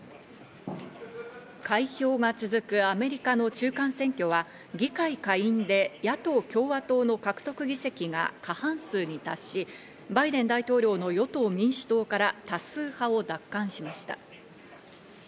開票が続くアメリカの中間選挙は議会下院で野党・共和党の獲得議席が過半数に達し、バイデン大統領の与党・民主党から多数派を奪還しました。